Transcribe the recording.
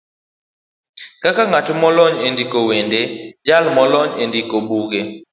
kaka ng'at molony e ndiko wende, jal molony e ndiko buge,